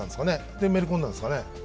で、めり込んだんですかね？